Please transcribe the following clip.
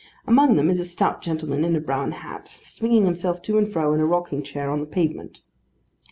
Among them, is a stout gentleman in a brown hat, swinging himself to and fro in a rocking chair on the pavement.